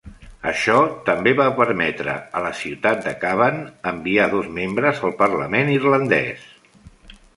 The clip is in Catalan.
Això també va permetre a la ciutat de Cavan enviar dos membres al parlament irlandès.